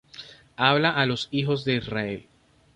Habla á los hijos de Israel.